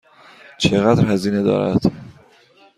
چقدر هزینه دارد؟